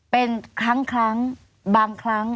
เป็นครั้งบางครั้ง